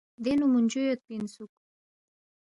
دینگ نُو مُونجُو یودپی اِنسُوک